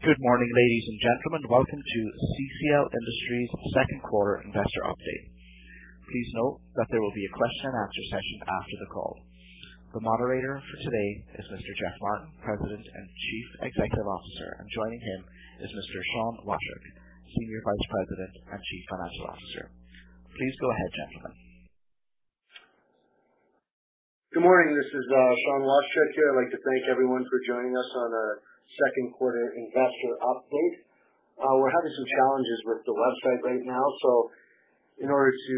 Good morning, ladies and gentlemen. Welcome to CCL Industries second quarter investor update. Please note that there will be a question and answer session after the call. The moderator for today is Mr. Geoffrey Martin, President and Chief Executive Officer, and joining him is Mr. Sean Washchuk, Senior Vice President and Chief Financial Officer. Please go ahead, gentlemen. Good morning. This is Sean Washchuk here. I'd like to thank everyone for joining us on our second quarter investor update. We're having some challenges with the website right now, so in order to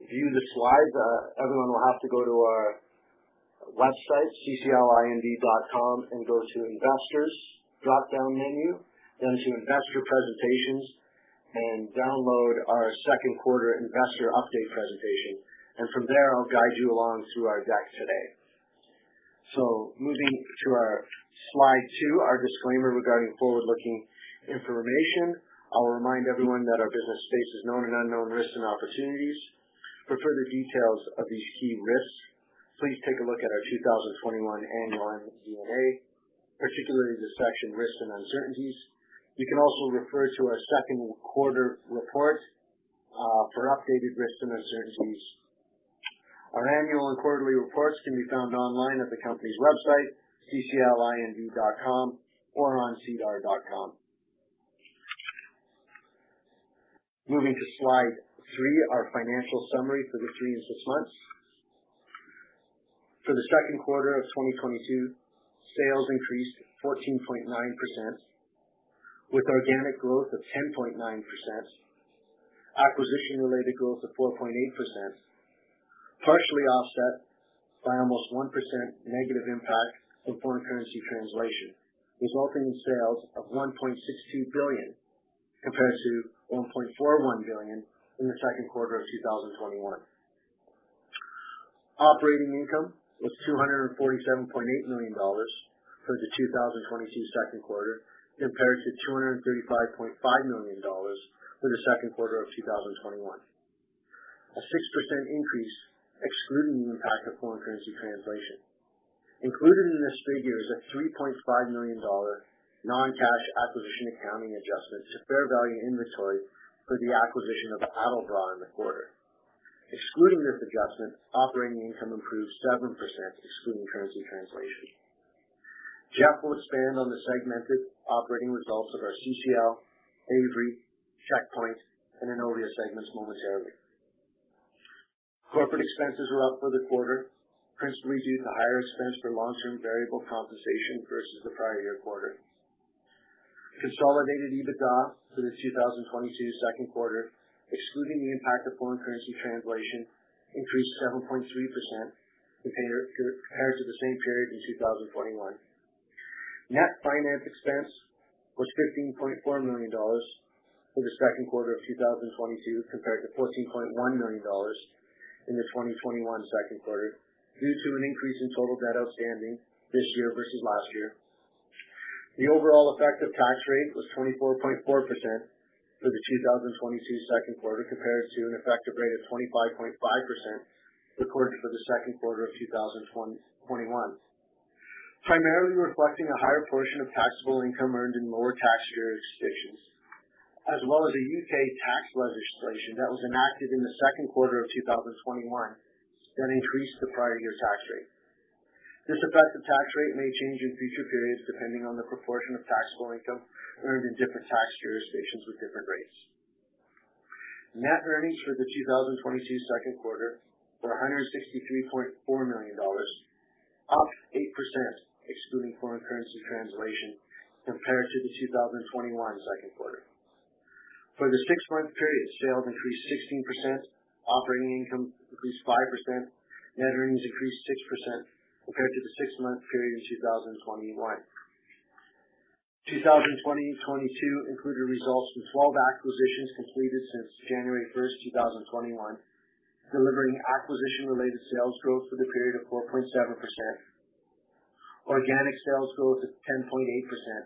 view the slides, everyone will have to go to our website, cclind.com, and go to Investors drop-down menu, then to Investor Presentations and download our second quarter investor update presentation. From there, I'll guide you along through our deck today. Moving to our slide two, our disclaimer regarding forward-looking information. I'll remind everyone that our business faces known and unknown risks and opportunities. For further details of these key risks, please take a look at our 2021 annual MD&A, particularly the section Risks and Uncertainties. You can also refer to our second quarter report for updated risks and uncertainties. Our annual and quarterly reports can be found online at the company's website, cclind.com, or on sedar.com. Moving to slide three, our financial summary for the three and six months. For the second quarter of 2022, sales increased 14.9%, with organic growth of 10.9%, acquisition-related growth of 4.8%, partially offset by almost 1% negative impact from foreign currency translation, resulting in sales of 1.62 billion, compared to 1.41 billion in the second quarter of 2021. Operating income was 247.8 million dollars for the 2022 second quarter, compared to 235.5 million dollars for the second quarter of 2021. A 6% increase excluding the impact of foreign currency translation. Included in this figure is a 3.5 million dollar non-cash acquisition accounting adjustment to fair value inventory for the acquisition of Aldora in the quarter. Excluding this adjustment, operating income improved 7% excluding currency translation. Geoffrey T. Martin will expand on the segmented operating results of our CCL, Avery, Checkpoint, and Innovia segments momentarily. Corporate expenses were up for the quarter, principally due to higher expense for long-term variable compensation versus the prior year quarter. Consolidated EBITDA for the 2022 second quarter, excluding the impact of foreign currency translation, increased 7.3% compared to the same period in 2021. Net finance expense was 15.4 million dollars for the second quarter of 2022, compared to 14.1 million dollars in the 2021 second quarter, due to an increase in total debt outstanding this year versus last year. The overall effective tax rate was 24.4% for the 2022 second quarter, compared to an effective rate of 25.5% recorded for the second quarter of 2021. Primarily reflecting a higher portion of taxable income earned in lower tax jurisdictions, as well as a U.K. tax legislation that was enacted in the second quarter of 2021 that increased the prior year tax rate. This effective tax rate may change in future periods, depending on the proportion of taxable income earned in different tax jurisdictions with different rates. Net earnings for the 2022 second quarter were CAD 163.4 million, up 8% excluding foreign currency translation, compared to the 2021 second quarter. For the six-month period, sales increased 16%, operating income increased 5%, net earnings increased 6% compared to the six-month period in 2021. 2022 included results from 12 acquisitions completed since 1st January 2021, delivering acquisition-related sales growth for the period of 4.7%. Organic sales growth is 10.8%,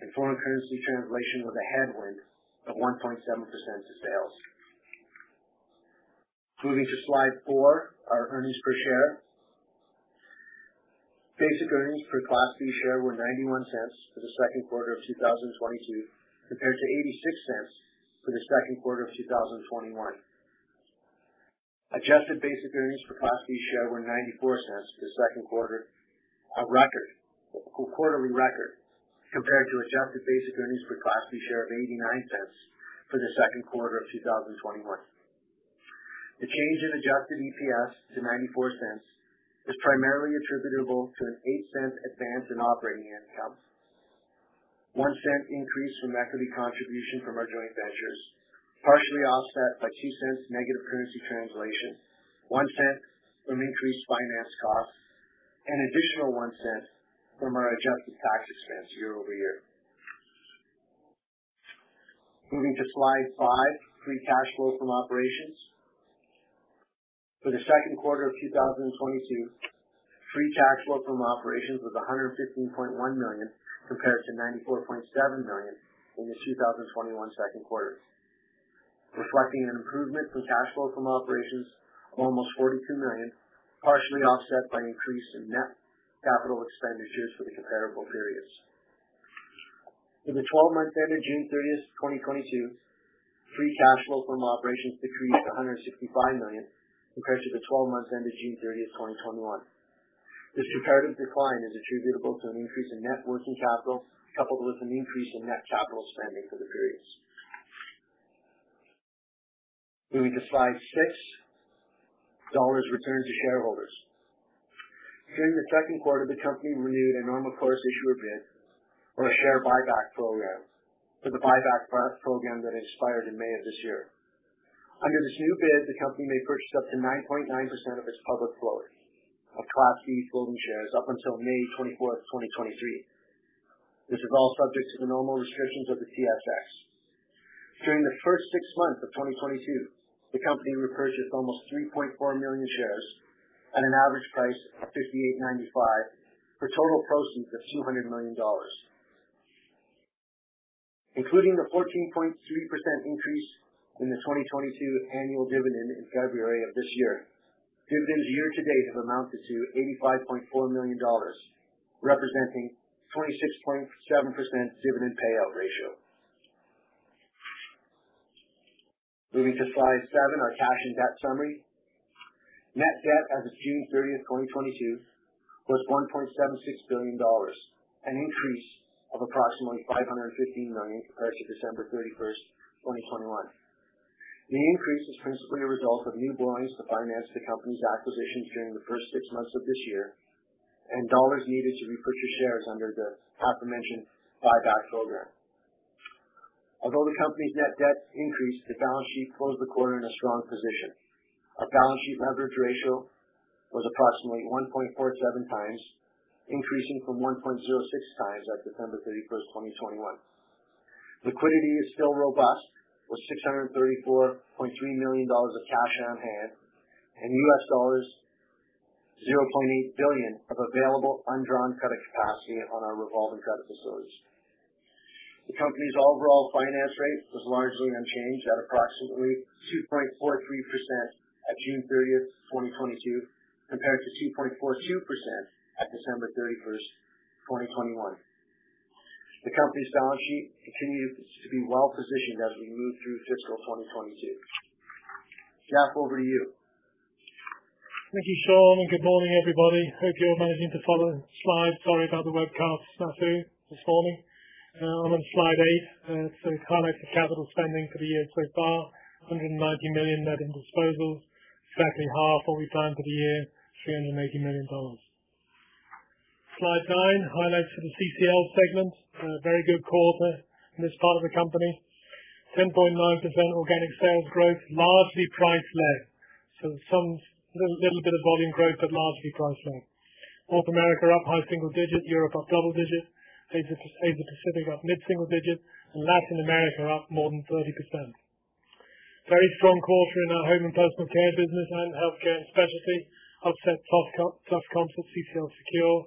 and foreign currency translation was a headwind of 1.7% to sales. Moving to slide four, our earnings per share. Basic earnings per Class B share were 0.91 for the second quarter of 2022, compared to 0.86 for the second quarter of 2021. Adjusted basic earnings per Class B share were 0.94 for the second quarter, a quarterly record, compared to adjusted basic earnings per Class B share of 0.89 for the second quarter of 2021. The change in adjusted EPS to 0.94 is primarily attributable to a 0.08 advance in operating income, 0.01 increase from equity contribution from our joint ventures, partially offset by 0.02 negative currency translation, 0.01 from increased finance costs, and an additional 0.01 from our adjusted tax expense year-over-year. Moving to slide five, free cash flow from operations. For the second quarter of 2022, free cash flow from operations was 115.1 million, compared to 94.7 million in the 2021 second quarter. Reflecting an improvement in cash flow from operations of almost 42 million, partially offset by an increase in net capital expenditures for the comparable periods. In the 12 months ended 30th June 2022, free cash flow from operations decreased 165 million compared to the 12 months ended 30th June 2021. This comparative decline is attributable to an increase in net working capital, coupled with an increase in net capital spending for the periods. Moving to slide six. Dollars returned to shareholders. During the second quarter, the company renewed a normal course issuer bid or a share buyback program for the buyback program that expired in May of this year. Under this new bid, the company may purchase up to 9.9% of its public float of Class B voting shares up until 24th May 2023. This is all subject to the normal restrictions of the TSX. During the first six months of 2022, the company repurchased almost 3.4 million shares at an average price of CAD 58.95, for total proceeds of 200 million dollars. Including the 14.3% increase in the 2022 annual dividend in February of this year, dividends year to date have amounted to 85.4 million dollars, representing 26.7% dividend payout ratio. Moving to slide seven, our cash and debt summary. Net debt as of 30th June 2022 was 1.76 billion dollars, an increase of approximately 515 million compared to 31st December 2021. The increase is principally a result of new borrowings to finance the company's acquisitions during the first six months of this year, and dollars needed to repurchase shares under the aforementioned buyback program. Although the company's net debt increased, the balance sheet closed the quarter in a strong position. Our balance sheet leverage ratio was approximately 1.47x, increasing from 1.06x at 31st December 2021. Liquidity is still robust, with 634.3 million dollars of cash on hand and $0.8 billion of available undrawn credit capacity on our revolving credit facilities. The company's overall finance rate was largely unchanged at approximately 2.43% at 30th June 2022, compared to 2.42% at 31st December 2021. The company's balance sheet continues to be well positioned as we move through fiscal 2022. Geoffrey, over to you. Thank you, Sean, and good morning, everybody. Hope you're managing to follow the slides. Sorry about the webcast snafu this morning. I'm on slide eight. We've highlighted the capital spending for the year so far, 190 million net in disposals. Exactly half what we planned for the year, 380 million dollars. Slide nine, highlights for the CCL segment. Very good quarter in this part of the company. 10.9% organic sales growth, largely price led. Some little bit of volume growth, but largely price led. North America up high single digits. Europe up double digits. Asia Pacific up mid-single digits and Latin America up more than 30%. Very strong quarter in our home and personal care business and healthcare and specialty. Upside, soft comps at CCL Secure.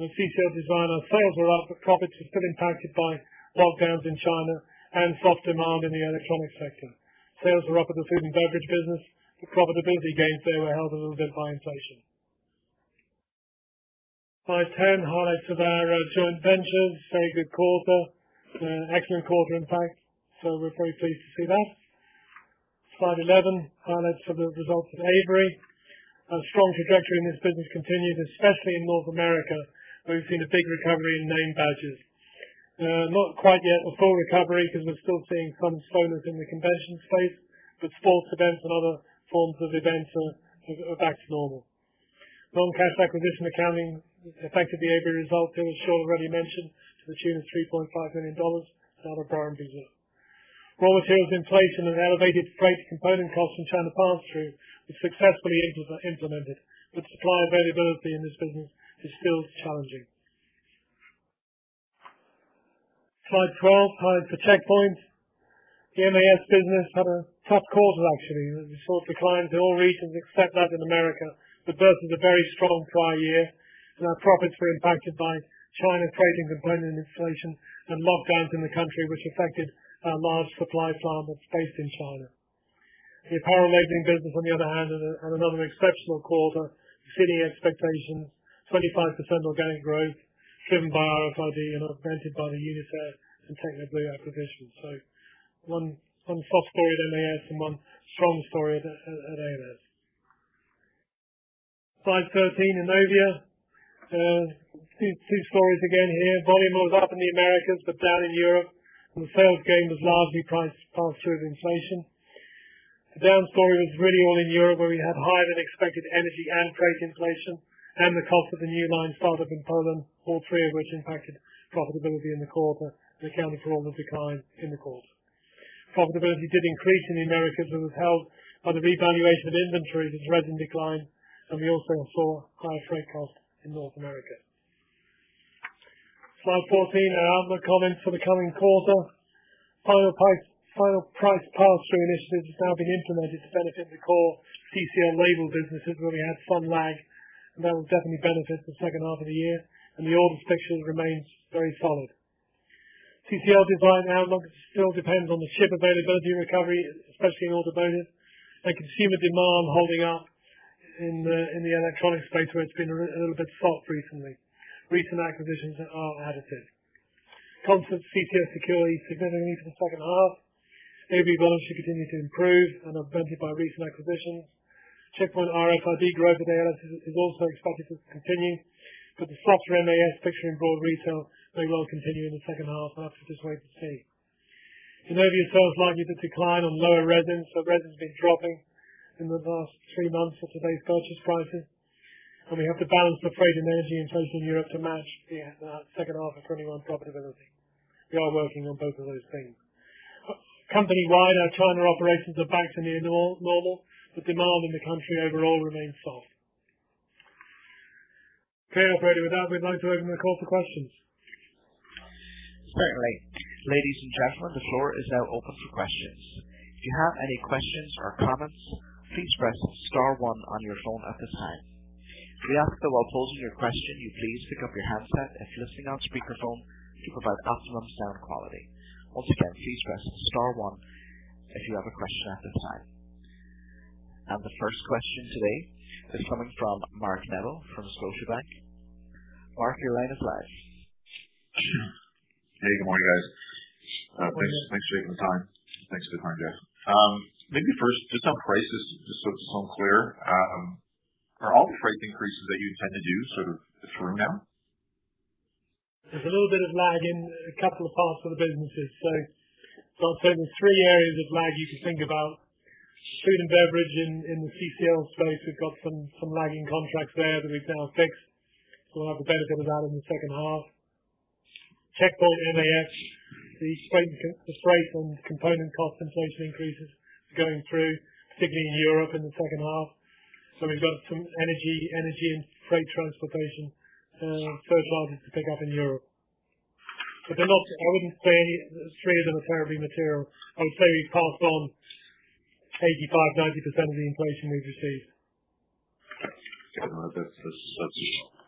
CCL Design, sales were up, but profits were still impacted by lockdowns in China and soft demand in the electronics sector. Sales were up at the food and beverage business. The profitability gains there were held a little bit by inflation. Slide ten, highlights of our joint ventures. Very good quarter. Excellent quarter, in fact. So we're very pleased to see that. Slide eleven, highlights for the results of Avery. Our strong trajectory in this business continued, especially in North America, where we've seen a big recovery in name badges. Not quite yet a full recovery because we're still seeing some slowness in the convention space, but sports events and other forms of events are back to normal. Non-cash acquisition accounting affected the Avery results, as Sean already mentioned, to the tune of 3.5 million dollars at our Bryan business. Raw materials inflation and elevated freight component costs from China pass through was successfully implemented. Supply availability in this business is still challenging. Slide 12, highlights for Checkpoint. The MAS business had a tough quarter actually. We saw declines in all regions except Latin America, but versus a very strong prior year. Profits were impacted by China freight and component inflation and lockdowns in the country, which affected our large supply plant that's based in China. The apparel labeling business, on the other hand, had another exceptional quarter, exceeding expectations. 25% organic growth driven by RFID and augmented by the Uniseal and Technical acquisitions. One soft story at MAS and one strong story at AMS. Slide 13, Innovia. Two stories again here. Volume was up in the Americas but down in Europe. The sales gain was largely price pass through of inflation. The down story was really all in Europe, where we had higher than expected energy and freight inflation and the cost of the new line startup in Poland, all three of which impacted profitability in the quarter, which accounted for all of the decline in the quarter. Profitability did increase in the Americas, but was held by the revaluation of inventory, which was resin decline, and we also saw higher freight costs in North America. Slide 14. Our outlook comments for the coming quarter. Final price pass-through initiatives have now been implemented to benefit the core CCL label businesses, where we had some lag. That will definitely benefit the second half of the year. The order picture remains very solid. CCL Design still depends on the chip availability recovery, especially in automotive. Consumer demand holding up in the electronic space where it's been a little bit soft recently. Recent acquisitions are additive. Contribute to CCL Secure significantly for the second half. Avery velocity continues to improve and are benefited by recent acquisitions. Checkpoint RFID growth there is also expected to continue. The softer MAS picture in broad retail may well continue in the second half. We'll have to just wait to see. Innovia sales likely to decline on lower resins. Resin's been dropping in the last three months of today's purchase prices. We have to balance the freight and energy inflation in Europe to match the second half of 2021 profitability. We are working on both of those things. Company-wide, our China operations are back to near normal. The demand in the country overall remains soft. Okay, operator, with that, we'd like to open the call for questions. Great. Ladies and gentlemen, the floor is now open for questions. If you have any questions or comments, Please Press star one on your phone at this time. We ask that while posing your question, you please pick up your handset if you're listening on speakerphone to provide optimum sound quality. Once again, Please Press star one if you have a question at this time. The first question today is coming from Mark Neville from Deutsche Bank. Mark, your line is live. Hey, good morning, guys. Good morning. Thanks for taking the time. Thanks for the kind job. Maybe first just on prices, just so it's all clear. Are all the price increases that you intend to do sort of through now? There's a little bit of lag in a couple of parts of the businesses. I'd say there's three areas of lag you can think about. Food and beverage in the CCL space, we've got some lagging contracts there that we've now fixed. We'll have the benefit of that in the second half. Checkpoint MAS, the freight and component cost inflation increases going through, particularly in Europe in the second half. We've got some energy and freight transportation first allowed us to pick up in Europe. But they're not. I wouldn't say any three of them are terribly material. I would say we've passed on 85%-90% of the inflation we've received. Okay. No, that's useful.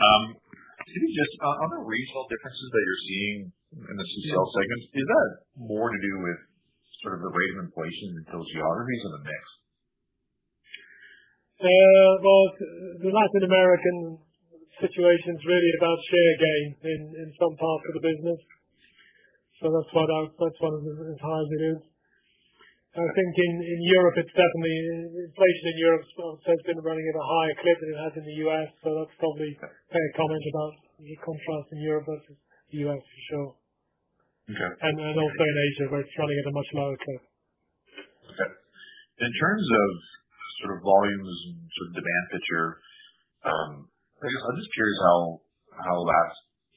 Can you just on the regional differences that you're seeing in the CCL segment, is that more to do with sort of the rate of inflation in those geographies or the mix? Well, the Latin American situation is really about share gain in some parts of the business. That's one of the tiers it is. I think in Europe it's definitely inflation in Europe has been running at a higher clip than it has in the U.S., so that's probably fair comment about the contrast in Europe versus U.S. for sure. Okay. also in Asia, where it's running at a much lower clip. Okay. In terms of sort of volumes and sort of demand that you're, I guess I'm just curious how that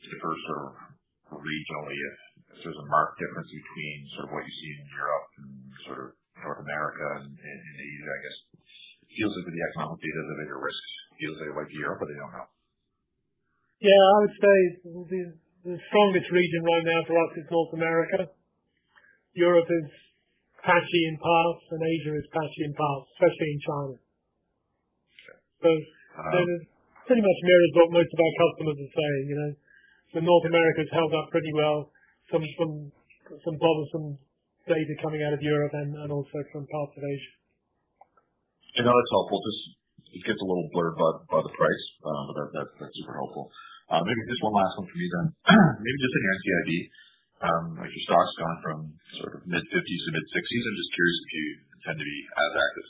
differs sort of regionally. If there's a marked difference between sort of what you see in Europe and sort of North America and in Asia, I guess. Feels like with the economic data, they're at risk. Feels they like Europe, but they don't know. Yeah, I would say the strongest region right now for us is North America. Europe is patchy in parts, and Asia is patchy in parts, especially in China. Sure. It pretty much mirrors what most of our customers are saying, you know. North America's held up pretty well from bothersome data coming out of Europe and also from parts of Asia. No, that's helpful. Just it gets a little blurred by the price. That's super helpful. Maybe just one last one for me then. Maybe just on NCIB. Like your stock's gone from sort of mid-50s to mid-60s. I'm just curious if you intend to be as active.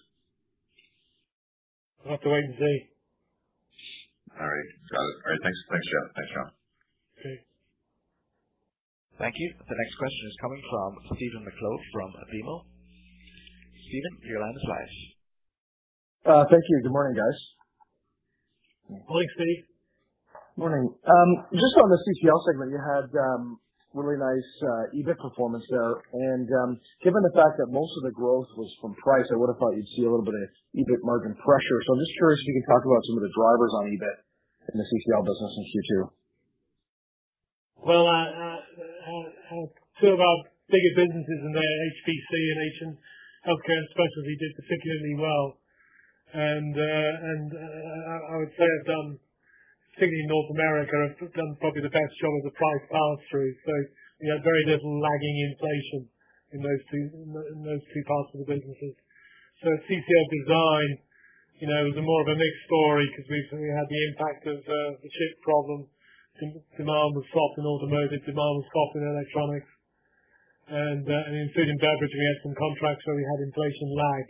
We'll have to wait and see. All right. Got it. All right, thanks. Thanks, Geoffrey Martin. Okay. Thank you. The next question is coming from Stephen MacLeod from BMO. Stephen, your line is live. Thank you. Good morning, guys. Morning, Steve. Morning. Just on the CCL segment, you had really nice EBIT performance there. Given the fact that most of the growth was from price, I would have thought you'd see a little bit of EBIT margin pressure. I'm just curious if you can talk about some of the drivers on EBIT in the CCL business in Q2. Well, two of our biggest businesses in there, HPC and healthcare and specialty did particularly well. I would say have done, particularly in North America, have done probably the best job of the price pass-through. We had very little lagging inflation in those two parts of the businesses. CCL Design, you know, was more of a mixed story because we had the impact of the chip problem. Demand was soft in automotive. Demand was soft in electronics. In food and beverage, we had some contracts where we had inflation lag.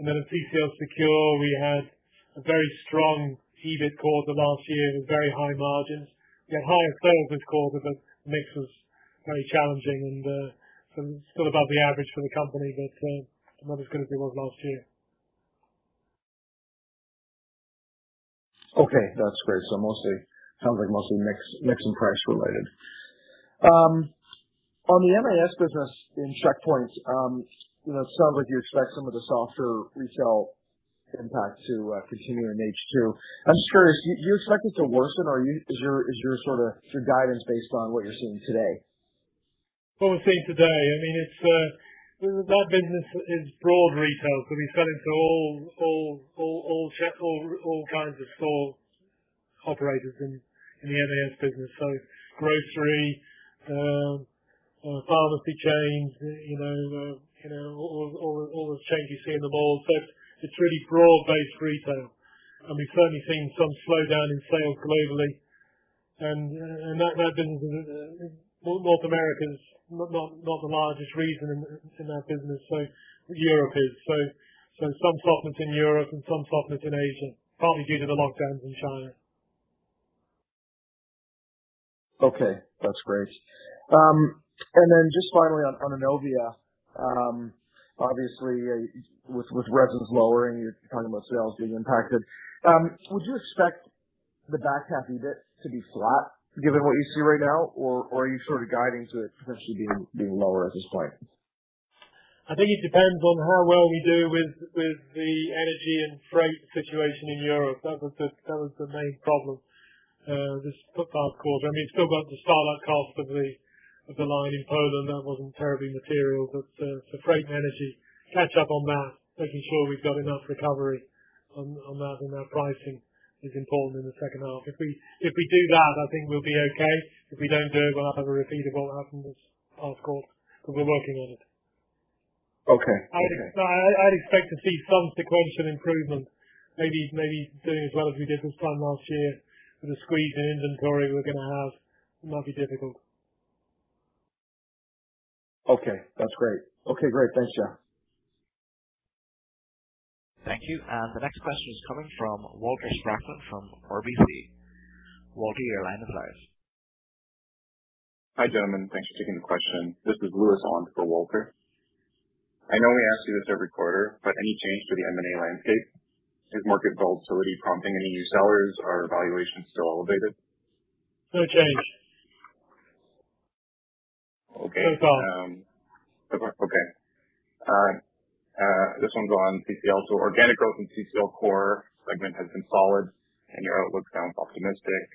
Then in CCL Secure, we had a very strong EBIT quarter last year with very high margins. We had higher sales this quarter, but mix was very challenging and some still above the average for the company, but not as good as it was last year. Okay. That's great. Mostly sounds like mix and price related. On the MAS business in Checkpoint, it sounds like you expect some of the softer resell impact to continue in H2. I'm just curious, do you expect it to worsen or is your guidance based on what you're seeing today? What we're seeing today, I mean, it's that business is broad retail. We sell into all kinds of store operators in the mass business. Grocery, pharmacy chains, you know, all the chains you see in the malls. It's really broad-based retail. We've certainly seen some slowdown in sales globally. That business in North America is not the largest region in that business. Europe is. Some softness in Europe and some softness in Asia, partly due to the lockdowns in China. Okay. That's great. Just finally on Innovia. Obviously, with resins lowering, you're talking about sales being impacted. Would you expect the back half EBIT to be flat given what you see right now? Or are you sort of guiding to it potentially being lower at this point? I think it depends on how well we do with the energy and freight situation in Europe. That was the main problem this past quarter. I mean, it's still got the start-up cost of the line in Poland. That wasn't terribly material. The freight and energy catch up on that, making sure we've got enough recovery on that and that pricing is important in the second half. If we do that, I think we'll be okay. If we don't do it, we'll have a repeat of what happened this past quarter. We're working on it. Okay. Okay. I'd expect to see some sequential improvement. Maybe doing as well as we did this time last year with the squeeze in inventory we're gonna have. It might be difficult. Okay, that's great. Okay, great. Thanks, Geoffrey Martin. Thank you. The next question is coming from Walter Spracklin from RBC. Walter, your line is ours. Hi, gentlemen. Thanks for taking the question. This is Lewis on for Walter. I know we ask you this every quarter, but any change to the M&A landscape? Is market volatility prompting any new sellers? Are valuations still elevated? No change. Okay. No change. Okay. This one's on CCL. Organic growth in CCL core segment has been solid and your outlook sounds optimistic.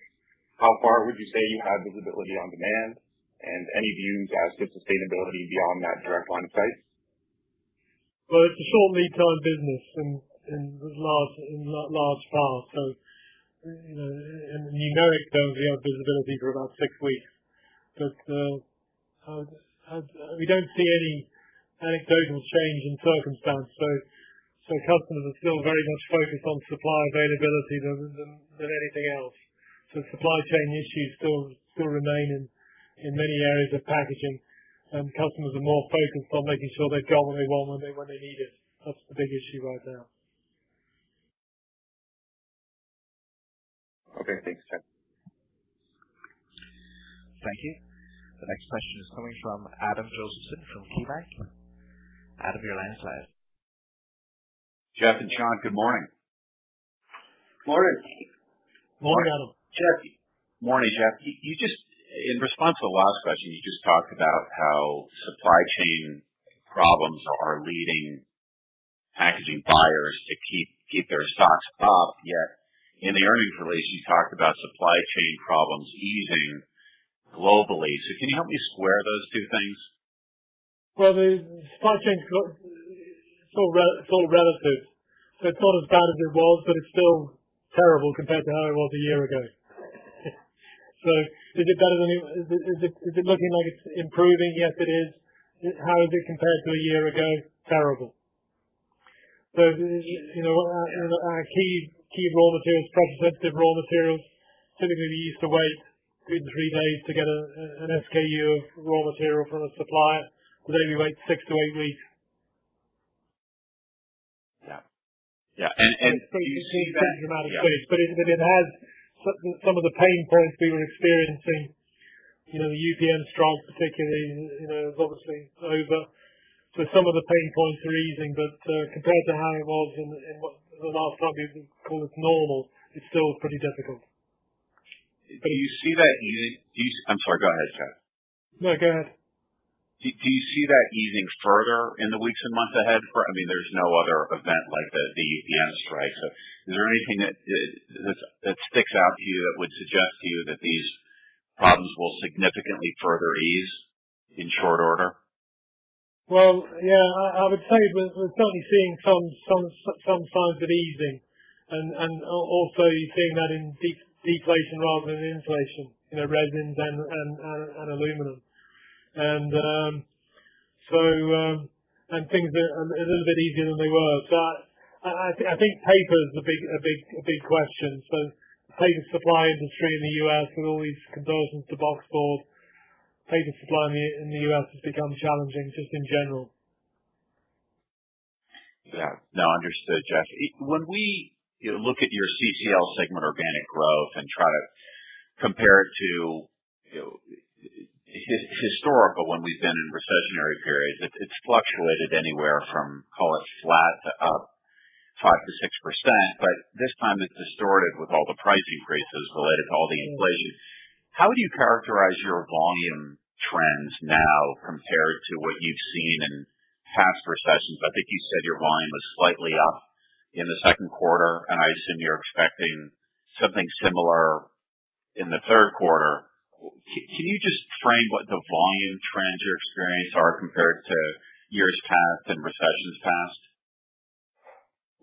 How far would you say you have visibility on demand, and any view as to sustainability beyond that direct line of sight? Well, it's a short lead time business in large part. You know, and you know it, so we have visibility for about six weeks. We don't see any anecdotal change in circumstance. Customers are still very much focused on supply availability than anything else. Supply chain issues still remain in many areas of packaging, and customers are more focused on making sure they've got what they want when they need it. That's the big issue right now. Okay. Thanks, Geoffrey Martin. Thank you. The next question is coming from Adam Josephson from KeyBanc. Adam, your line is live. Geoff and John, good morning. Morning. Morning. Jeff. Morning, Jeff. You just in response to the last question, you just talked about how supply chain problems are leading packaging buyers to keep their stocks up, yet in the earnings release you talked about supply chain problems easing globally. Can you help me square those two things? Well, the supply chain is still relative. It's not as bad as it was, but it's still terrible compared to how it was a year ago. Is it better than it? Is it looking like it's improving? Yes, it is. How does it compare to a year ago? Terrible. You know, our key raw materials, price sensitive raw materials, typically we used to wait 2-3 days to get an SKU of raw material from the supplier. Today we wait 6-8 weeks. Yeah. You see. It's pretty dramatic change. Yeah. It has some of the pain points we were experiencing, you know, UPM strike particularly, you know, is obviously over. Some of the pain points are easing. Compared to how it was in what the last time you would call it normal, it's still pretty difficult. Do you see that easing? I'm sorry. Go ahead, John. No, go ahead. Do you see that easing further in the weeks and months ahead? I mean, there's no other event like the UPM strike. Is there anything that sticks out to you that would suggest to you that these problems will significantly further ease in short order? Well, yeah. I would say we're certainly seeing some signs of easing and also you're seeing that in deflation rather than inflation, you know, resins and aluminum. Things are a little bit easier than they were. I think paper is a big question. Paper supply industry in the U.S. with all these conversions to boxboard, paper supply in the U.S. has become challenging just in general. Yeah. No, understood, Jeff. When we, you know, look at your CCL segment organic growth and try to compare it to, you know, historically when we've been in recessionary periods, it's fluctuated anywhere from, call it flat to up 5%-6%, but this time it's distorted with all the price increases related to all the inflation. How would you characterize your volume trends now compared to what you've seen in past recessions? I think you said your volume was slightly up in the second quarter, and I assume you're expecting something similar in the third quarter. Can you just frame what the volume trends you experience are compared to years past and recessions past?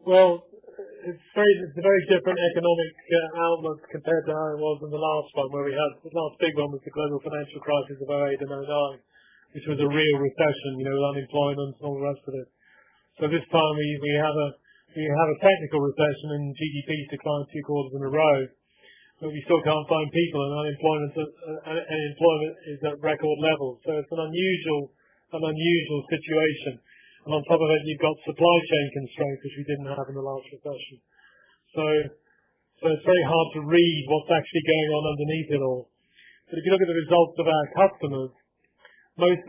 It's a very different economic outlook compared to how it was in the last one. The last big one was the global financial crisis of 2008 and 2009. Which was a real recession, you know, unemployment and all the rest of it. This time we had a technical recession and GDP declined two quarters in a row, but we still can't find people and unemployment is and employment is at record levels. It's an unusual situation. On top of it, you've got supply chain constraints which we didn't have in the last recession. It's very hard to read what's actually going on underneath it all. If you look at the results of our customers, most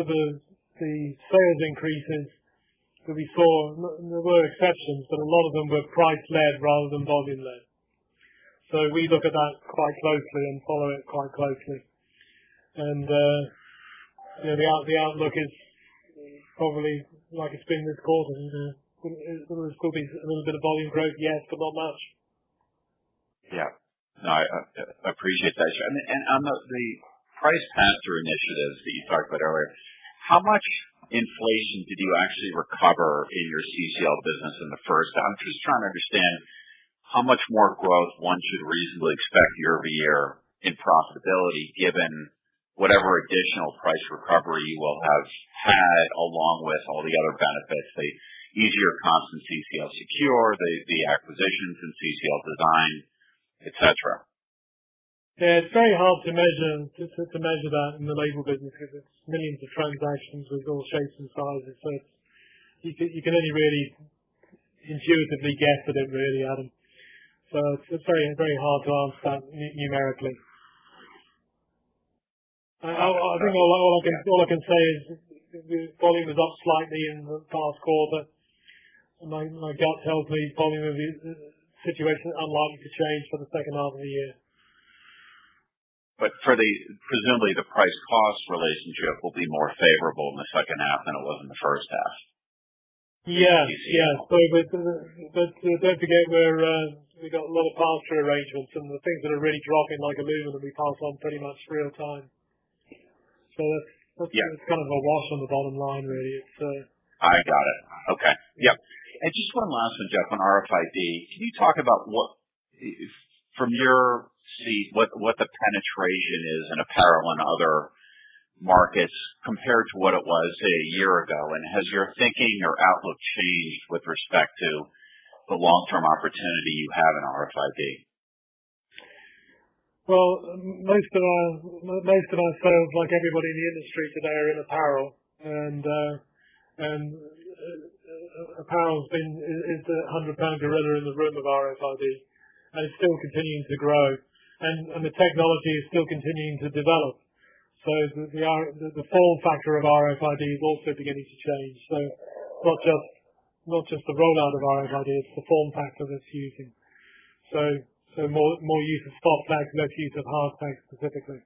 of them, the sales increases that we saw, there were exceptions, but a lot of them were price-led rather than volume-led. We look at that quite closely and follow it quite closely. You know, the outlook is probably like it's been this quarter. There will still be a little bit of volume growth, yes, but not much. Yeah. No, I appreciate that. On the price pass-through initiatives that you talked about earlier, how much inflation did you actually recover in your CCL business in the first half? I'm just trying to understand how much more growth one should reasonably expect year-over-year in profitability, given whatever additional price recovery you will have had along with all the other benefits, the easier comps, CCL Secure, the acquisitions in CCL Design, et cetera. Yeah. It's very hard to measure that in the label business because it's millions of transactions with all shapes and sizes. You can only really intuitively guess at it, really, Adam. It's very hard to answer that numerically. I think all I can say is the volume was up slightly in the past quarter. My gut tells me volume revenue situation unlikely to change for the second half of the year. Presumably the price cost relationship will be more favorable in the second half than it was in the first half. Yes. Don't forget we've got a lot of pass-through arrangements and the things that are really dropping like aluminum will be passed on pretty much real time. Yeah. Kind of a wash on the bottom line, really. It's I got it. Okay. Yep. Just one last one, Jeff. On RFID. Can you talk about what from your seat what the penetration is in apparel and other markets compared to what it was, say, a year ago? Has your thinking or outlook changed with respect to the long term opportunity you have in RFID? Well, most of our sales, like everybody in the industry today, are in apparel. Apparel is a 100-pound gorilla in the room of RFID, and it's still continuing to grow. The technology is still continuing to develop. The form factor of RFID is also beginning to change. It's not just the rollout of RFID, it's the form factor that's used. More use of soft tags, less use of hard tags specifically.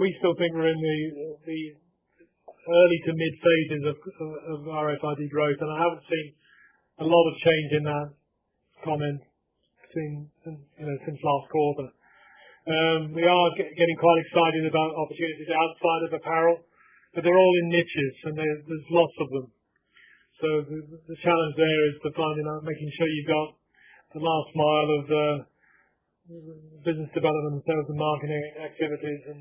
We still think we're in the early to mid stages of RFID growth. I haven't seen a lot of change in that comment since, you know, since last quarter. We are getting quite excited about opportunities outside of apparel, but they're all in niches and there's lots of them. The challenge there is finding out, making sure you've got the last mile of business development, sales and marketing activities and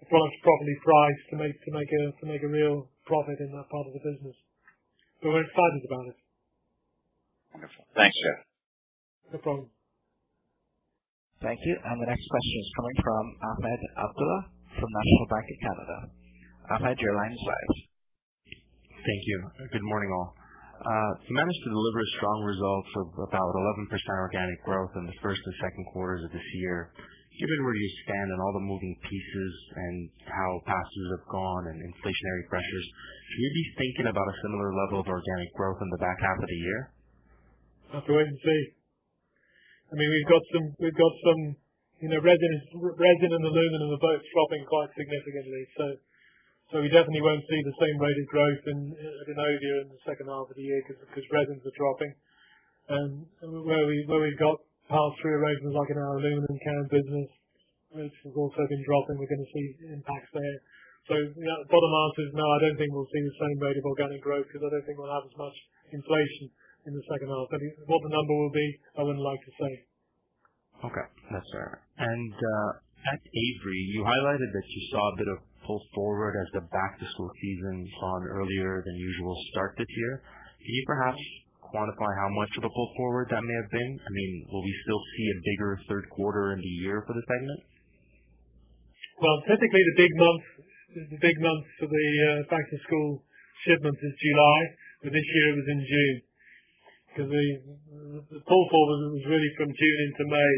the product's properly priced to make a real profit in that part of the business. We're excited about it. Wonderful. Thanks, Geoffrey Martin. No problem. Thank you. The next question is coming from Ahmed Abdullah from National Bank of Canada. Ahmed, your line is live. Thank you. Good morning, all. You managed to deliver strong results of about 11% organic growth in the first and second quarters of this year. Given where you stand on all the moving pieces and how prices have gone and inflationary pressures, should you be thinking about a similar level of organic growth in the back half of the year? We'll have to wait and see. I mean, we've got some, you know, resins and aluminum are both dropping quite significantly. So we definitely won't see the same rate of growth in Avery in the second half of the year because resins are dropping. Where we've got pass-through arrangements like in our aluminum can business, which has also been dropping, we're gonna see impacts there. So bottom line is, no, I don't think we'll see the same rate of organic growth because I don't think we'll have as much inflation in the second half. I mean, what the number will be, I wouldn't like to say. Okay. That's fair. At Avery, you highlighted that you saw a bit of pull forward as the back-to-school season saw an earlier than usual start this year. Can you perhaps quantify how much of a pull forward that may have been? I mean, will we still see a bigger third quarter in the year for the segment? Well, typically the big month for the back-to-school shipments is July, but this year it was in June. Because the pull forward was really from June into May.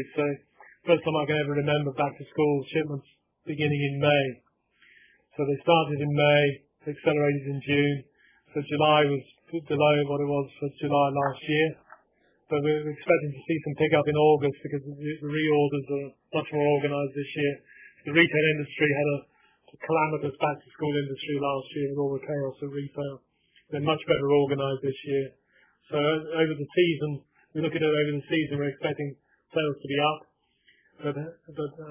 First time I can ever remember back-to-school shipments beginning in May. They started in May, accelerated in June. July was below what it was for July last year. We're expecting to see some pickup in August because the reorders are much more organized this year. The retail industry had a calamitous back-to-school industry last year. It over-catered to retail. They're much better organized this year. Over the season, we look at it over the season, we're expecting sales to be up. But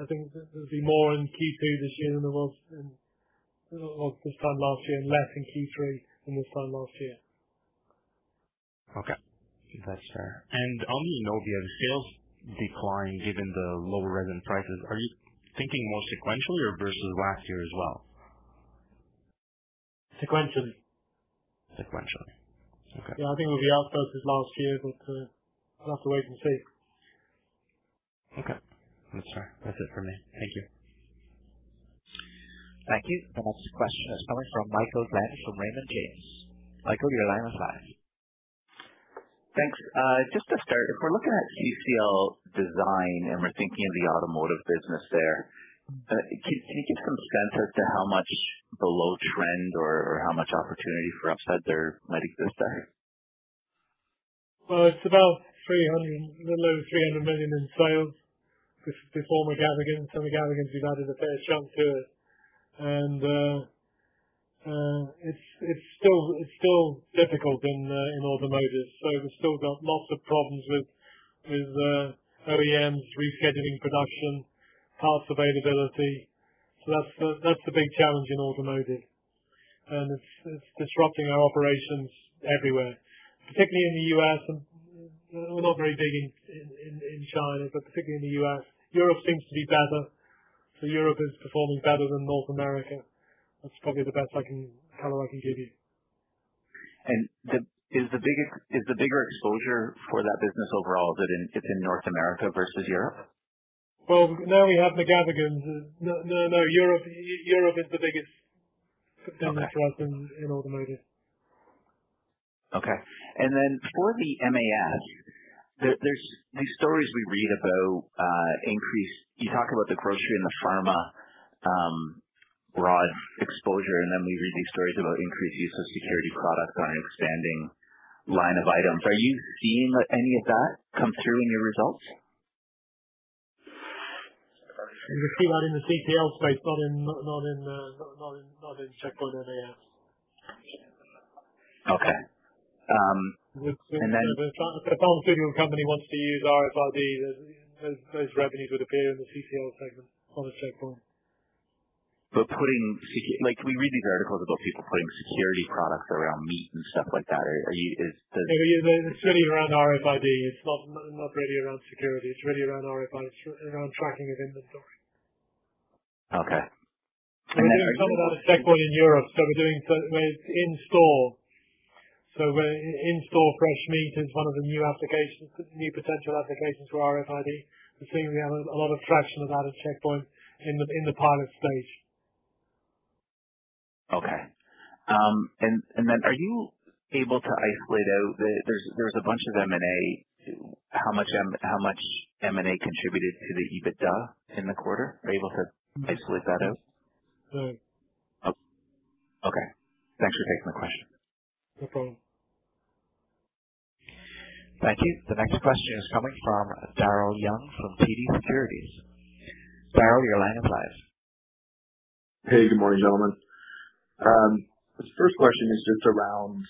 I think there'll be more in Q2 this year than there was this time last year, and less in Q3 than this time last year. Okay. That's fair. On the organic sales decline, given the lower resin prices, are you thinking more sequentially or versus last year as well? Sequentially. Sequentially. Okay. Yeah, I think we'll be inaudible to this last year, but we'll have to wait and see. Okay. That's fair. That's it for me. Thank you. Thank you. The next question is coming from Michael Glen from Raymond James. Michael, your line is live. Thanks. Just to start, if we're looking at CCL Design, and we're thinking of the automotive business there, can you give some sense as to how much below trend or how much opportunity for upside there might exist there? Well, it's about CAD 300—a little over 300 million in sales. This is the former Innovia. The Innovia we've added a fair chunk to it. It's still difficult in automotive. We've still got lots of problems with OEMs rescheduling production, parts availability. That's the big challenge in automotive. It's disrupting our operations everywhere, particularly in the U.S. We're not very big in China, but particularly in the U.S. Europe seems to be better. Europe is performing better than North America. That's probably the best color I can give you. Is the bigger exposure for that business overall, is it in, it's in North America versus Europe? No, no. Europe is the biggest. Okay. In terms of in automotive. Okay. For the MAS, there's these stories we read about. You talk about the grocery and the pharma, broad exposure, and then we read these stories about increased use of security products or an expanding line of items. Are you seeing any of that come through in your results? You see that in the CCL space, not in Checkpoint MAS. Okay. If a pharmaceutical company wants to use RFID, those revenues would appear in the CCL segment, not at Checkpoint. Like, we read these articles about people putting security products around meat and stuff like that. Are you... Is the. Yeah. It's really around RFID. It's not really around security. It's really around RFID. It's around tracking of inventory. Okay. We're doing some of that at Checkpoint in Europe, so we're doing in-store. In-store fresh meat is one of the new applications, new potential applications for RFID. It seems we have a lot of traction about at Checkpoint in the pilot stage. There's a bunch of M&A. How much M&A contributed to the EBITDA in the quarter? Are you able to isolate that out? No. Okay. Thanks for taking the question. No problem. Thank you. The next question is coming from Daryl Young from TD Securities. Daryl, your line is live. Hey, good morning, gentlemen. This first question is just around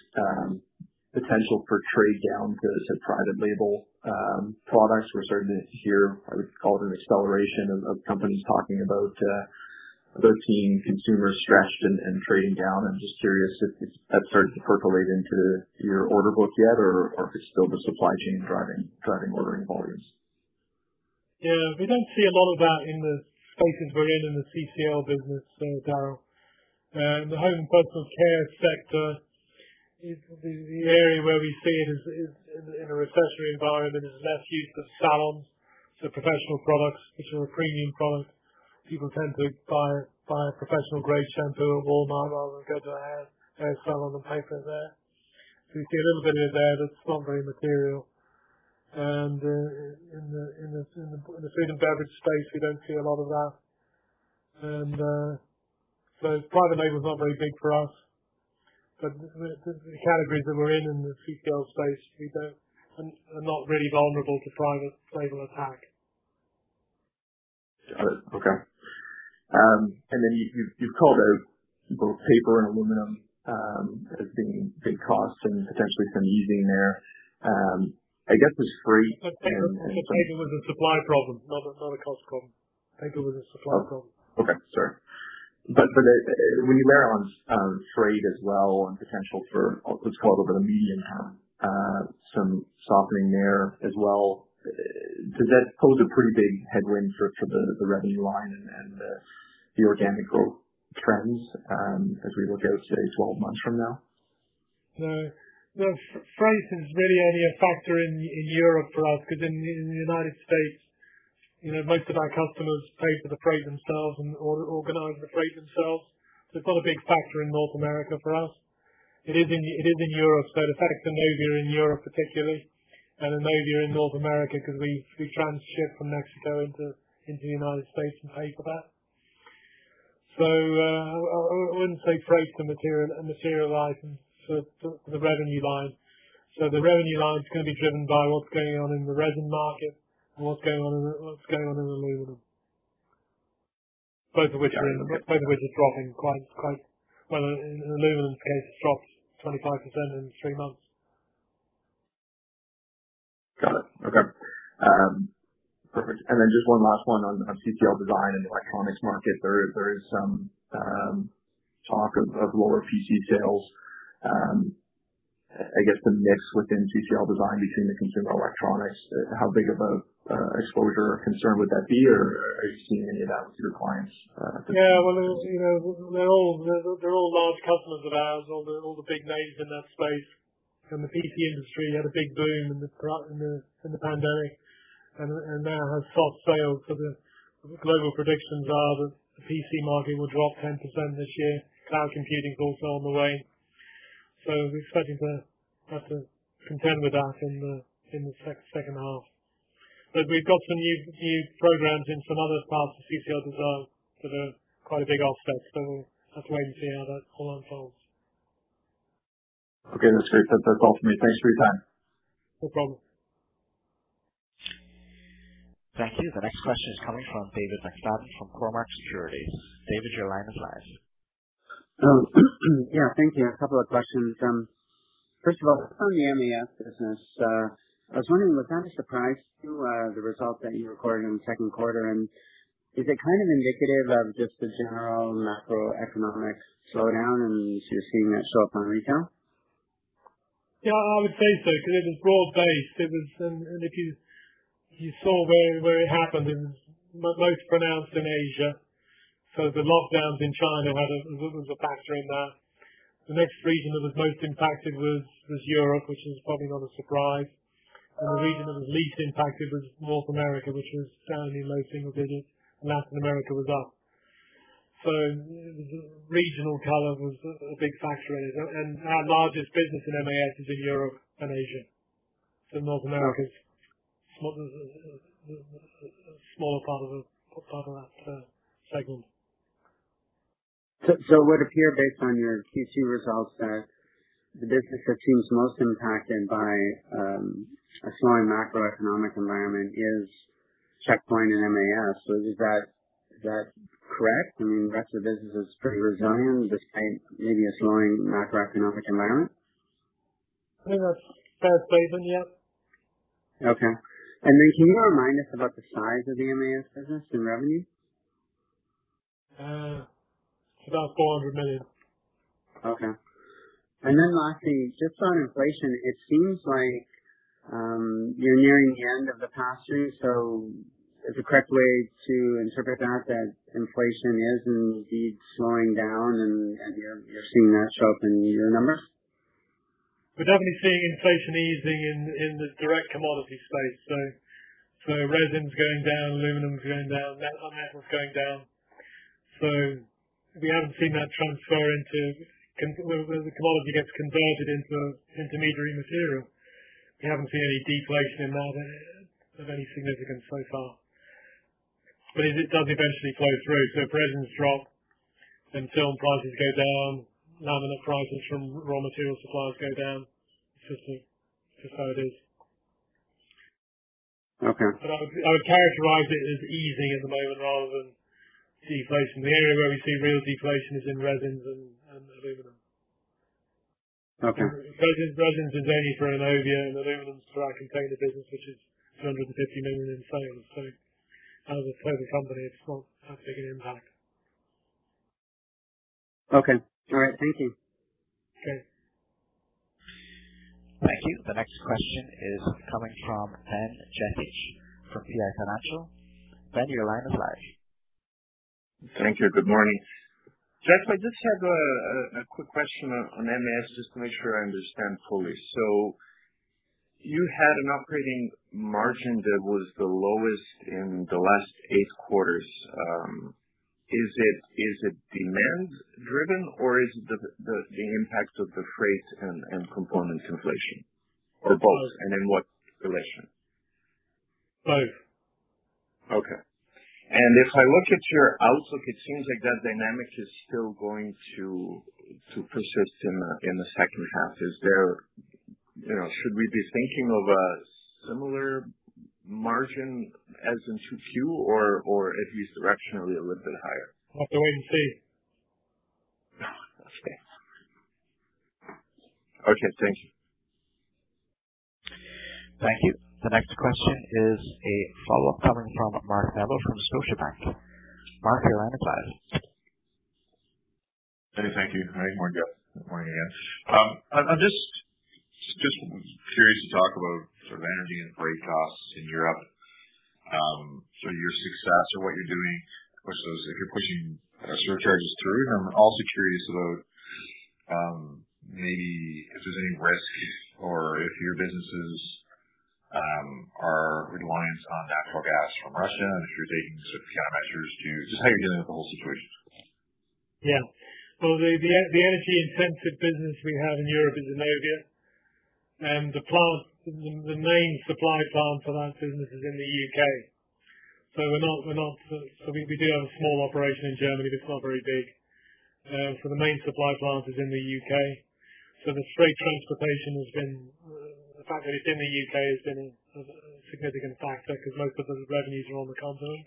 potential for trade downs to private label products. We're starting to hear what is called an acceleration of companies talking about consumers stretched and trading down. I'm just curious if that started to percolate into your order book yet, or if it's still the supply chain driving ordering volumes. Yeah. We don't see a lot of that in the spaces we're in the CCL business, so, Daryl. The home and personal care sector is the area where we see it as in a recessionary environment, is less use of salons. Professional products, which are a premium product, people tend to buy a professional grade shampoo at Walmart rather than go to a hair salon and pay for it there. You see a little bit of that. It's not very material. In the food and beverage space, we don't see a lot of that. Private label is not very big for us. The categories that we're in the CCL space, are not really vulnerable to private label attack. Got it. Okay. You've called out both paper and aluminum as being big costs and potentially some easing there. I guess it's free and. The paper was a supply problem, not a cost problem. Paper was a supply problem. Okay. Sorry. When you were on freight as well and potential for what's called over-the-median, some softening there as well. Does that pose a pretty big headwind for the revenue line and the organic growth trends, as we look out, say, 12 months from now? No. Freight is really only a factor in Europe for us, because in the United States, you know, most of our customers pay for the freight themselves and/or organize the freight themselves. It's not a big factor in North America for us. It is in Europe. It affects Innovia in Europe particularly, and Innovia in North America, because we transship from Mexico into the United States and pay for that. I wouldn't say freight's the material item for the revenue line. The revenue line's gonna be driven by what's going on in the resin market and what's going on in aluminum. Both of which are dropping quite. Well, in aluminum's case, it's dropped 25% in three months. Got it. Okay. Perfect. Just one last one on CCL Design and the electronics market. There is some talk of lower PC sales. I guess the mix within CCL Design between the consumer electronics, how big of a exposure or concern would that be? Or are you seeing any of that with your clients at this point? Yeah. Well, you know, they're all large customers of ours, all the big names in that space. The PC industry had a big boom in the pandemic and now has soft sailed. Global predictions are that the PC market will drop 10% this year. Cloud computing's also on the wane. We're expecting to have to contend with that in the second half. We've got some new programs in some other parts of CCL Design that are quite a big offset, so we'll have to wait and see how that all unfolds. Okay. That's great. That's all for me. Thanks for your time. No problem. Thank you. The next question is coming from David McFadgen from Cormark Securities. David, your line is live. Yeah, thank you. A couple of questions. First of all, on the MAS business, I was wondering was that a surprise to the results that you recorded in the second quarter? Is it kind of indicative of just the general macroeconomic slowdown, and you're seeing that show up on retail? Yeah, I would say so because it was broad-based. If you saw where it happened, it was most pronounced in Asia. The lockdowns in China was a factor in that. The next region that was most impacted was Europe, which is probably not a surprise. Uh- The region that was least impacted was North America, which was certainly most interesting. Latin America was up. The regional color was a big factor in it. Our largest business in MAS is in Europe and Asia. North America is smaller part of that segment. It would appear based on your Q2 results that the business that seems most impacted by a slowing macroeconomic environment is Checkpoint and MAS. Is that correct? I mean, the rest of the business is pretty resilient despite maybe a slowing macroeconomic environment. I think that's fair to say even yet. Okay. Can you remind us about the size of the MAS business in revenue? CAD 400 million. Okay. Lastly, just on inflation, it seems like you're nearing the end of the pass-through. Is the correct way to interpret that inflation is indeed slowing down and you're seeing that show up in your numbers? We're definitely seeing inflation easing in the direct commodity space. Resin’s going down, aluminum’s going down, metal’s going down. We haven't seen that transfer into where the commodity gets converted into intermediary material. We haven't seen any deflation in that of any significance so far. If it does eventually flow through, so resins drop, then film prices go down, laminate prices from raw material suppliers go down. It's just how it is. Okay. I would characterize it as easing at the moment rather than deflation. The area where we see real deflation is in resins and aluminum. Okay. Resins is only for Innovia, and aluminum's for our container business which is 250 million in sales. As a company, it's not having an impact. Okay. All right. Thank you. Okay. Thank you. The next question is coming from Ben Rubino from CI Financial. Ben, your line is live. Thank you. Good morning. Geoffrey, I just have a quick question on MAS just to make sure I understand fully. You had an operating margin that was the lowest in the last 8 quarters. Is it demand driven or is it the impact of the freight and component inflation? Or both? Both. In what relation? Both. Okay. If I look at your outlook, it seems like that dynamic is still going to persist in the second half. You know, should we be thinking of a similar margin as in 2Q or at least directionally a little bit higher? We'll have to wait and see. Okay. Okay, thank you. Thank you. The next question is a follow-up coming from Mark Neville from Scotiabank. Mark, your line is live. Hey. Thank you. Good morning, Jeff. Good morning again. I'm just curious to talk about sort of energy and freight costs in Europe, so your success or what you're doing with those if you're pushing surcharges through. I'm also curious about maybe if there's any risk or if your businesses are reliant on natural gas from Russia and if you're taking sort of countermeasures. Just how you're dealing with the whole situation. Yeah. The energy intensive business we have in Europe is Innovia. The plant, the main supply plant for that business is in the U.K. We do have a small operation in Germany, but it's not very big. The main supply plant is in the U.K. The freight transportation has been the fact that it's in the U.K. has been a significant factor because most of the revenues are on the continent.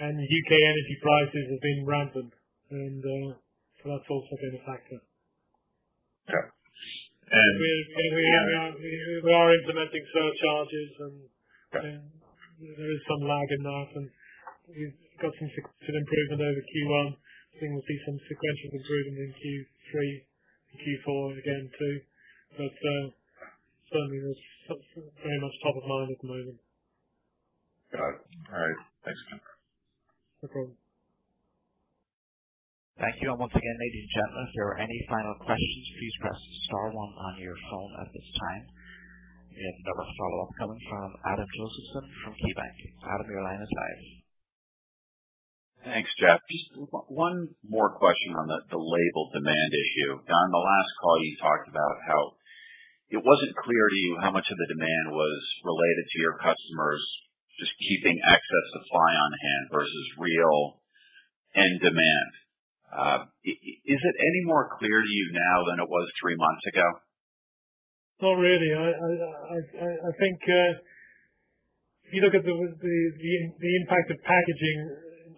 U.K. energy prices have been rampant. That's also been a factor. Yeah. We are implementing surcharges and there is some lag in that. We've got some significant improvement over Q1. I think we'll see some sequential improvement in Q3 and Q4 again too. Certainly that's something very much top of mind at the moment. Got it. All right. Thanks, Geoffrey Martin. No problem. Thank you. Once again, ladies and gentlemen, if there are any final questions, please press star one on your phone at this time. Our first follow-up coming from Adam Josephson from KeyBanc. Adam, your line is ready. Thanks, Geoffrey. Just one more question on the label demand issue. Geoffrey, the last call you talked about how it wasn't clear to you how much of the demand was related to your customers just keeping excess supply on hand versus real end demand. Is it any more clear to you now than it was three months ago? Not really. I think if you look at the impact of packaging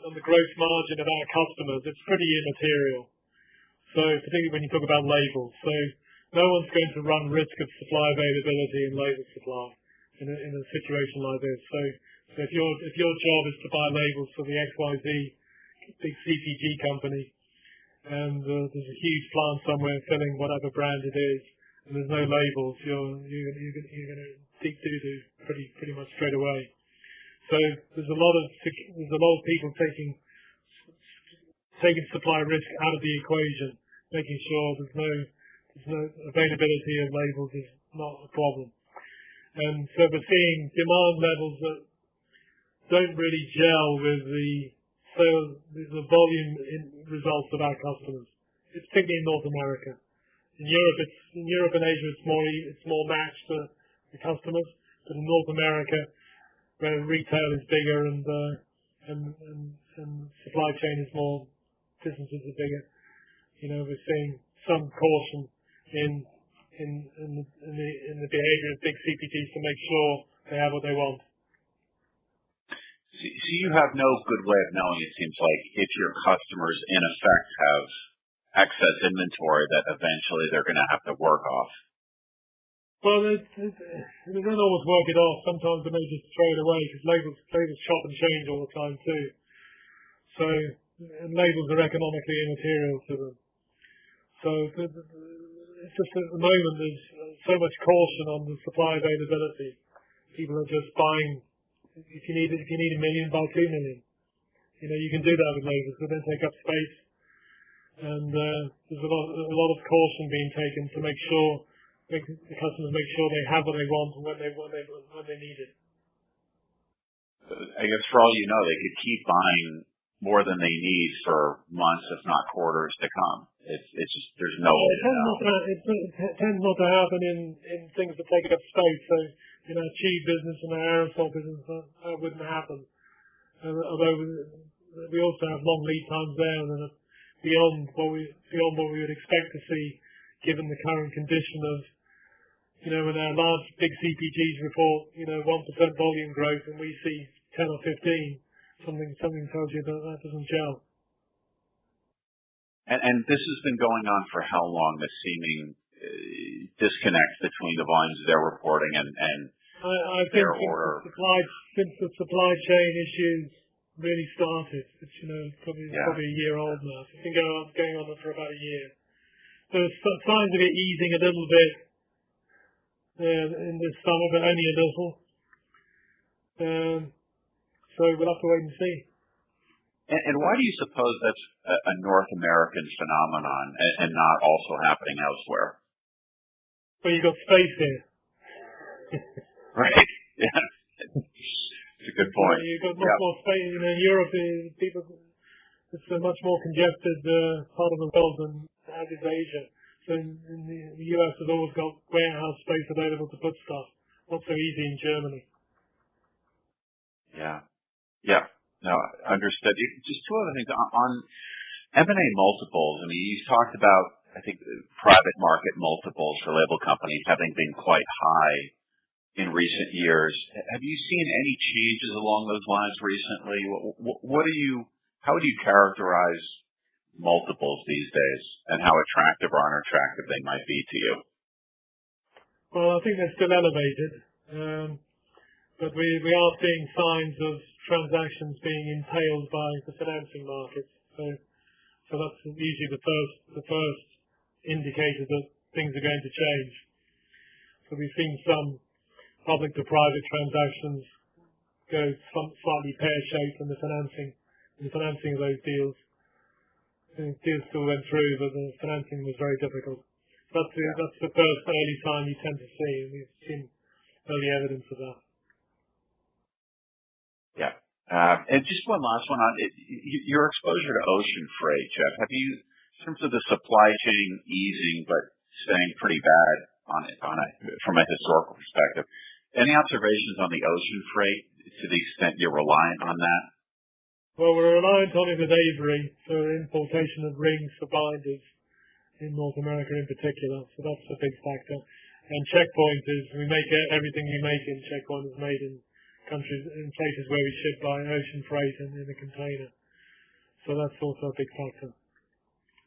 on the gross margin of our customers, it's pretty immaterial. Particularly when you talk about labels. No one's going to run risk of supply availability in label supply in a situation like this. If your job is to buy labels for the XYZ big CPG company, and there's a huge plant somewhere filling whatever brand it is, and there's no labels, you're gonna sink pretty much straight away. There's a lot of people taking supply risk out of the equation, making sure there's no availability of labels is not a problem. We're seeing demand levels that don't really gel with the sales, with the volume and results of our customers. It's particularly in North America. In Europe and Asia, it's more matched to the customers. In North America, where retail is bigger and supply chain is more, businesses are bigger. You know, we're seeing some caution in the behavior of big CPGs to make sure they have what they want. You have no good way of knowing, it seems like, if your customers, in effect, have excess inventory that eventually they're gonna have to work off? Well, they don't always work it off. Sometimes they may just throw it away because labels stock and change all the time too. So labels are economically immaterial to them. Just at the moment, there's so much caution on the supply availability. People are just buying. If you need 1 million, buy 2 million. You know, you can do that with labels. They don't take up space. There's a lot of caution being taken to make sure the customers make sure they have what they want when they need it. I guess for all you know, they could keep buying more than they need for months, if not quarters to come. It's just there's no way to know. It tends not to happen in things that take up space. You know, our cheese business and our aerosol business, that wouldn't happen. Although we also have long lead times there that are beyond what we would expect to see given the current condition of, you know, when our large big CPGs report, you know, 1% volume growth and we see 10 or 15. Something tells you that doesn't gel. This has been going on for how long, this seeming disconnect between the volumes they're reporting and their order? I think since the supply chain issues really started. It's, you know Yeah. Probably a year old now. It's been going on for about a year. There's signs of it easing a little bit in the summer, but only a little. We'll have to wait and see. Why do you suppose that's a North American phenomenon and not also happening elsewhere? Well, you got space here. Right. Yeah. It's a good point. You got much more space. You know, in Europe, the people. It's a much more congested part of the world than is Asia. So the U.S. has always got warehouse space available to put stuff. Not so easy in Germany. Yeah. Yeah. No, understood. Just two other things. On M&A multiples, I mean, you talked about, I think, private market multiples for label companies having been quite high in recent years. Have you seen any changes along those lines recently? How would you characterize multiples these days, and how attractive or unattractive they might be to you? Well, I think they're still elevated. We are seeing signs of transactions being impaired by the financing markets. That's usually the first indicator that things are going to change. We've seen some public to private transactions go slightly pear-shaped in the financing of those deals. The deals still went through, but the financing was very difficult. That's the first early sign you tend to see, and we've seen early evidence of that. Yeah. Just one last one on it. Your exposure to ocean freight, Geoffrey. Have you in terms of the supply chain easing but staying pretty bad on a from a historical perspective, any observations on the ocean freight to the extent you're reliant on that? Well, we're reliant on it with Avery for importation of rings supplies in North America in particular. That's a big factor. Checkpoint is we make everything in Checkpoint is made in countries, in places where we ship by ocean freight and in a container. That's also a big factor.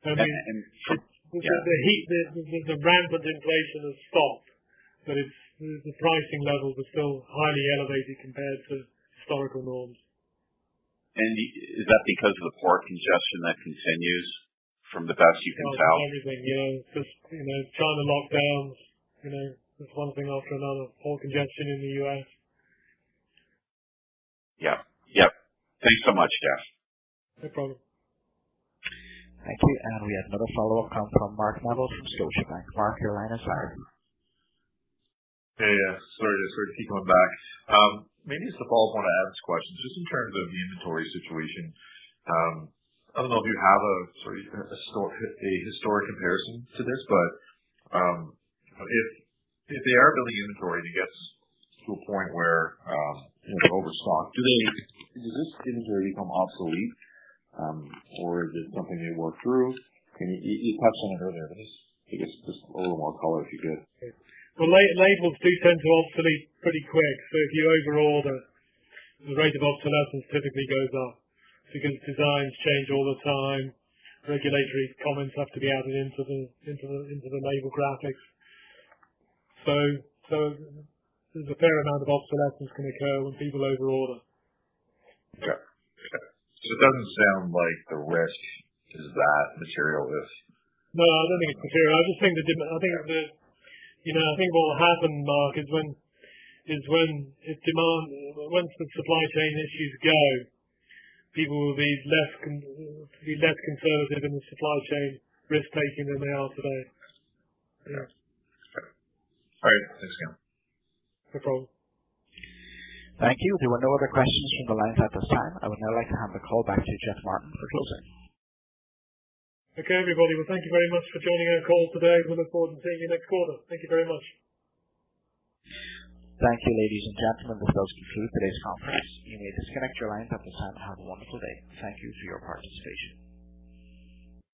Yeah. The heat, the rampant inflation has stopped, but it's the pricing levels are still highly elevated compared to historical norms. Is that because of the port congestion that continues from the best you can tell? Oh, it's everything, you know, just, you know, China lockdowns, you know, just one thing after another. Port congestion in the U.S. Yeah. Yep. Thanks so much, Geoff. No problem. Thank you. We have another follow-up coming from Mark Neville from Scotiabank. Mark, your line is live. Yeah, yeah. Sorry to keep coming back. Maybe it's a follow-up on Adam's question, just in terms of the inventory situation. I don't know if you have a sort of a historic comparison to this, but if they are building inventory and it gets to a point where, you know, they're overstocked, does this inventory become obsolete, or is it something they work through? You touched on it earlier, but just, I guess, a little more color if you could. Well, labels do tend to obsolete pretty quick. If you overorder, the rate of obsolescence typically goes up because designs change all the time. Regulatory comments have to be added into the label graphics. There's a fair amount of obsolescence can occur when people overorder. Okay. It doesn't sound like the risk is that material risk. No, I don't think it's material. I just think, you know, I think what will happen, Mark, is when if demand once the supply chain issues go, people will be less conservative in the supply chain risk taking than they are today. Yeah. Okay. Thanks, Geoff. No problem. Thank you. There were no other questions from the lines at this time. I would now like to hand the call back to Geoffrey Martin for closing. Okay, everybody. Well, thank you very much for joining our call today. We look forward to seeing you next quarter. Thank you very much. Thank you, ladies and gentlemen. This does conclude today's conference. You may disconnect your lines at this time. Have a wonderful day. Thank you for your participation.